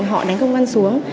họ đánh công an xuống